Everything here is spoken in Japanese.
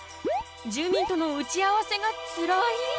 住民との打ち合わせがつらい？